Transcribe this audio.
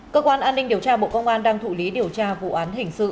cơ quan an ninh điều tra bộ công an đang thụ lý điều tra vụ án hình sự